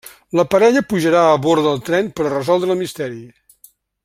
La parella pujarà a bord del tren per a resoldre el misteri.